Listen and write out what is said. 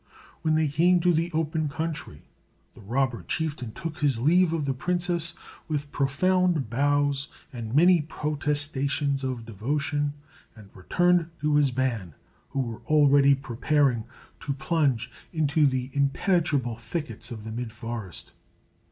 When they came to the open country, the robber chieftain took his leave of the princess, with profound bows and many protestations of devotion, and returned to his band, who were already preparing to plunge into the impenetrable thickets of the midforest.